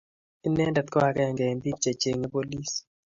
inende ko agenge eng' biik che chenye polis